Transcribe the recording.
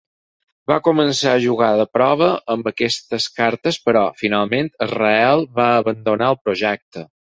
Van començar a jugar de prova amb aquestes cartes però, finalment, Azrael va abandonar el projecte.